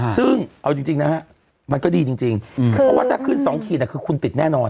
ซึ่งเอาจริงนะฮะมันก็ดีจริงเพราะว่าถ้าขึ้น๒ขีดคือคุณติดแน่นอน